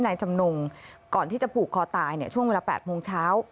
นายจำนงก่อนที่จะผูกคอตายช่วงเวลา๘โมงเช้า